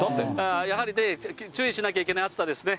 やはり注意しなきゃいけない暑さですね。